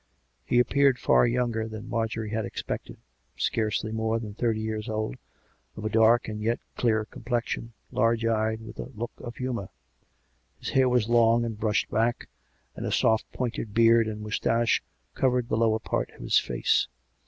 He appeared far younger than Marjorie had expected — scarcely more than thirty years old, of a dark and yet clear complexion, large eyed, with a look of humour ; his hair was long and brushed back; and a soft, pointed beard and moustache covered the lower part of his face.